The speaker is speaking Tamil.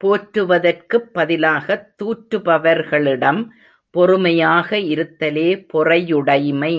போற்றுவதற்குப் பதிலாகத் தூற்றுபவர்களிடம் பொறுமையாக இருத்தலே பொறையுடைமை.